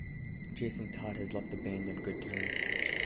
Jasin Todd has left the band on good terms.